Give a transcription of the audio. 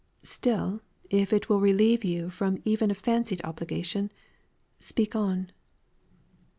Still, if it will relieve you from even a fancied obligation, speak on."